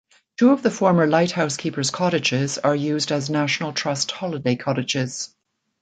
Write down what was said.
Two of the former lighthouse keepers' cottages are used as National Trust holiday cottages.